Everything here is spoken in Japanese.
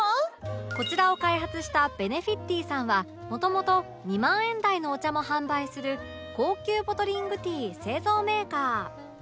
こちらを開発した Ｂｅｎｅｆｉｔｅａ さんはもともと２万円代のお茶も販売する高級ボトリングティー製造メーカー